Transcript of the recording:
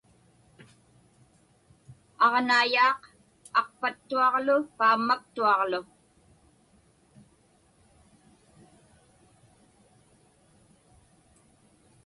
Aġnaiyaaq aqpattuaġlu paammaktuaġlu.